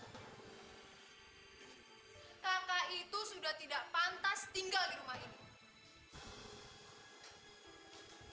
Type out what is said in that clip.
hai kakak itu sudah tidak pantas tinggal dirumah ini